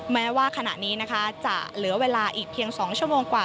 แม้ว่าขณะนี้นะคะจะเหลือเวลาอีกเพียง๒ชั่วโมงกว่า